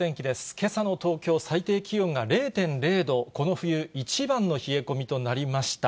けさの東京、最低気温が０．０度、この冬一番の冷え込みとなりました。